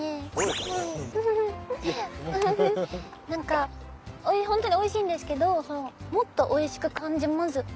なんか本当においしいんですけどもっとおいしく感じます。